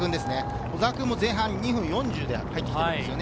小澤君も前半２分４０で入ってきていますね。